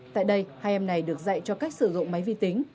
tại đây hai em này được dạy cho cách sử dụng máy vi tính